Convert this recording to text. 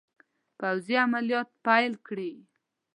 پوځي عملیات پیل کړي.